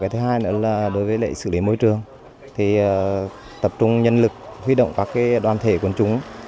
thứ hai nữa là đối với lệ xử lý môi trường tập trung nhân lực huy động các đoàn thể quân chúng